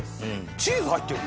チーズ入ってるの？